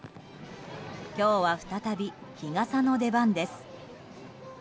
今日は再び、日傘の出番です。